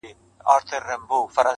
د ستر احمدشاه بابا د لنګوټی میراث دی